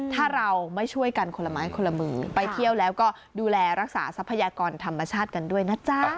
ถ้าเราไม่ช่วยกันคนละไม้คนละมือไปเที่ยวแล้วก็ดูแลรักษาทรัพยากรธรรมชาติกันด้วยนะจ๊ะ